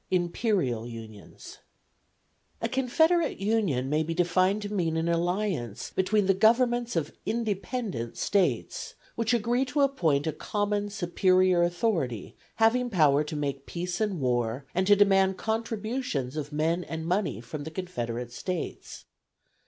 Imperial unions. A confederate union may be defined to mean an alliance between the governments of independent States, which agree to appoint a common superior authority having power to make peace and war and to demand contributions of men and money from the confederate States.